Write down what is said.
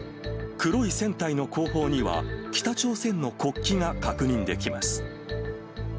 黒い船体の後方には、北朝鮮の国旗が確認できます。